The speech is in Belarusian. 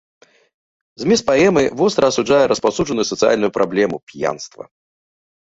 Змест паэмы востра асуджае распаўсюджаную сацыяльную праблему п'янства.